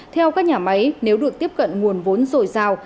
theo các nhà máy nếu được tiếp cận nguồn vốn rồi rào